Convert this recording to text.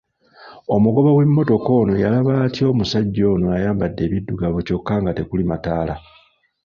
Omugoba w'emmotoka yalaba atya omusajja ono ayambadde ebiddugavu kyokka nga tekuli mataala?